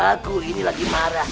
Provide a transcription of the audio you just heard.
aku ini lagi marah